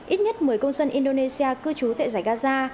ít nhất một mươi công dân indonesia cư trú tại giải gaza